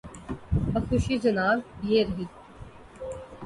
بخوشی جناب، یہ رہی۔